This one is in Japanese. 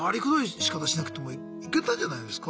しかたしなくてもいけたんじゃないですか？